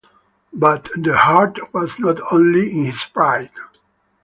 But the hurt was not only in his pride.